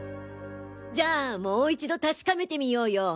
じゃあもう一度確かめてみようよ！